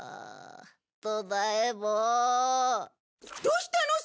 どうしたの！？